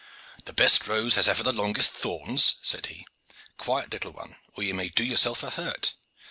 "The best rose has ever the longest thorns," said he. "Quiet, little one, or you may do yourself a hurt.